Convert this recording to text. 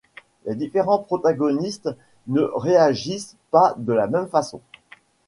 Les différents protagonistes ne réagissent pas de la même façon.